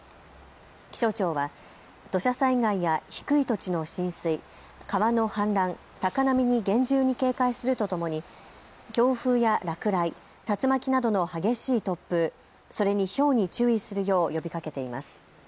気象庁は土砂災害や低い土地の浸水、川の氾濫、高波に厳重に警戒するとともに強風や落雷、竜巻などの激しい突風、それにひょうに注意するよう呼びかけています。